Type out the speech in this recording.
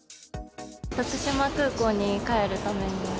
徳島空港に帰るために。